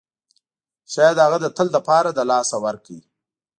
شاید هغه د تل لپاره له لاسه ورکړئ.